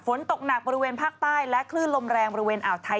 ฝนตกหนักบริเวณภาคใต้และคลื่นลมแรงบริเวณอ่าวไทย